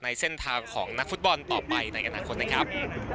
ในเส้นทางของนักฟุตบอลต่อไปในอนาคตนะครับ